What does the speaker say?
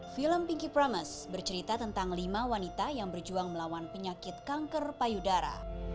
film pinky promes bercerita tentang lima wanita yang berjuang melawan penyakit kanker payudara